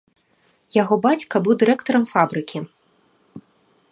Яго бацька быў дырэктарам фабрыкі.